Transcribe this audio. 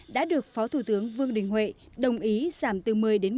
đã được phó thủ tướng vương đình huệ đồng ý giảm từ một mươi một mươi